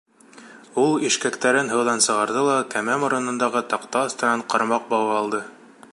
Ул ишкәктәрен һыуҙан сығарҙы ла кәмә моронондағы таҡта аҫтынан ҡармаҡ бауы алды.